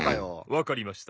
わかりました。